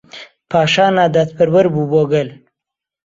پاشا ناداپەروەر بوو بۆ گەل.